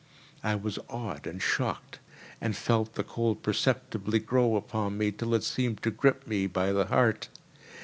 I was awed and shocked, and felt the cold perceptibly grow upon me till it seemed to grip me by the heart.